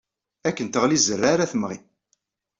Akken teɣli zzerriɛa ara temɣi.